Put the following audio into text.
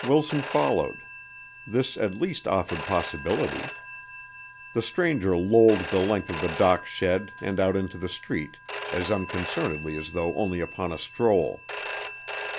Wilson followed. This at least offered possibilities. The stranger lolled the length of the dock shed and out into the street as unconcernedly as though only upon a stroll.